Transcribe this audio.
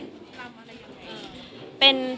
อันนี้ลำอะไรของคุณ